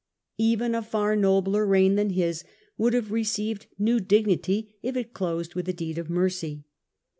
Even a far nobler reign than his would have received new dignity if it closed with a deed of mercy.